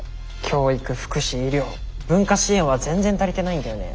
教育福祉医療文化支援は全然足りてないんだよね。